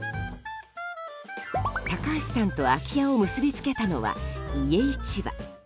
高橋さんと空き家を結びつけたのは、家いちば。